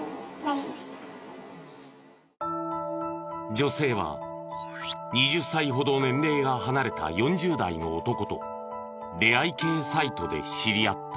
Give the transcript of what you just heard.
女性は２０歳ほど年齢が離れた４０代の男と出会い系サイトで知り合った。